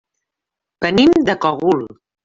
Venim del Cogul.